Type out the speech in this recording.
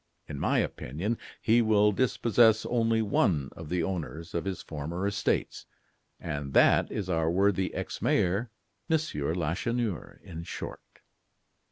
In my opinion, he will dispossess only one of the owners of his former estates, and that is our worthy ex mayor Monsieur Lacheneur, in short."